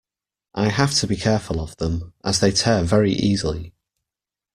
I have to be careful of them, as they tear very easily.